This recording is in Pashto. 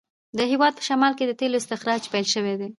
د هیواد په شمال کې د تېلو استخراج پیل شوی دی.